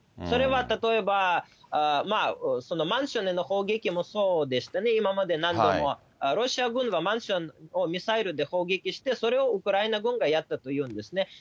それは例えば、マンションへの砲撃もそうでしたね、今まで何度も、ロシア軍はマンションをミサイルで砲撃して、それをウクライナ軍がやったと言うんですね。